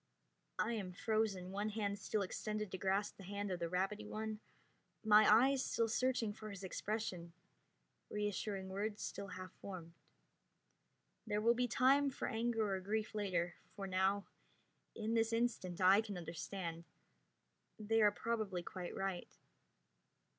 I am frozen, one hand still extended to grasp the hand of the rabbity one, my eyes still searching his expression, reassuring words still half formed. There will be time for anger or grief later, for now, in this instant, I can understand. They are probably quite right.